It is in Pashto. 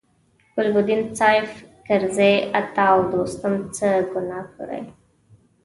ګلبدین، سیاف، کرزي، عطا او دوستم څه ګناه کړې.